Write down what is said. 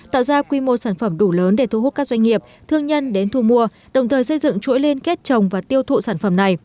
tạo ra quy mô sản phẩm đủ lớn để thu hút các doanh nghiệp thương nhân đến thu mua đồng thời xây dựng chuỗi liên kết trồng và tiêu thụ sản phẩm này